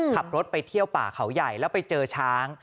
ขับรถไปเที่ยวป่าเขาใหญ่แล้วไปเจอช้าง